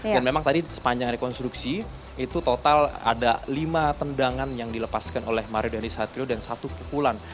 dan memang tadi sepanjang rekonstruksi itu total ada lima tendangan yang dilepaskan oleh mario dan isatrio dan satu pukulan